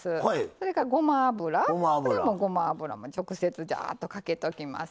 それからごま油これも直接ジャーっとかけときます。